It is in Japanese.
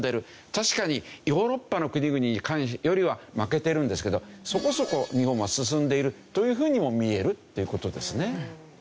確かにヨーロッパの国々よりは負けてるんですけどそこそこ日本は進んでいるというふうにも見えるっていう事ですね。